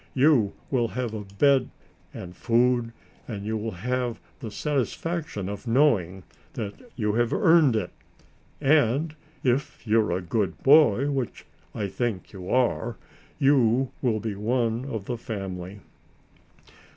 You will have a bed and food and you will have the satisfaction of knowing that you have earned it. And, if you're a good boy, which I think you are, you will be one of the family."